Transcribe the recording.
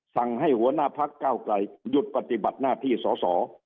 สั่งให้หัวหน้าพักเก้าไกลหยุดปฏิบัติหน้าที่สอสอ